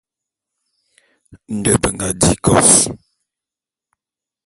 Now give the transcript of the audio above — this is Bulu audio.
Nde be nga di kos.